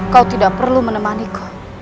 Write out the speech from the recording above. kau tidak perlu menemaniku